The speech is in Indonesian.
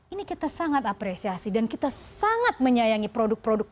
ini kita sangat apresiasi dan kita sangat menyayangi produk produk